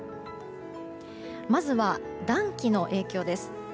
まずは暖気の影響です。